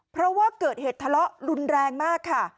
เพราะว่าเกิดเหตุทะเลาะรุนแรงมากค่ะ